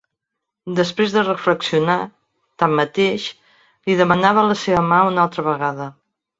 Després de reflexionar, tanmateix, li demana la seva mà una altra vegada.